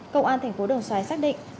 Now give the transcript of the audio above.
công an thành phố đồng xoài xác định